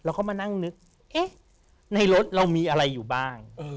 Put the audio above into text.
แล้วก็มานั่งนึกเอ๊ะในรถเรามีอะไรอยู่บ้าง